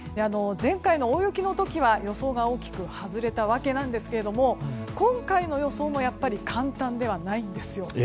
前回の大雪の時は予想が大きく外れたわけですが今回の予想も簡単ではないんです。